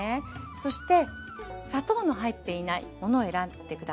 そして砂糖の入っていないものを選んで下さい。